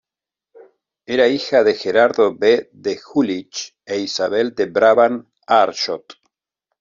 Era hija de Gerardo V de Jülich e Isabel de Brabant-Aarschot.